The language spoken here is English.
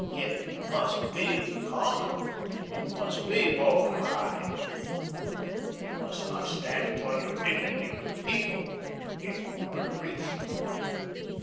It MUST BE common; it must be vulgarised. You must not stand upon your dignity with the People, if you are to reach them."